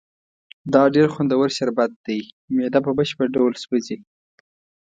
دا ډېر خوندور شربت دی، معده په بشپړ ډول سوځي.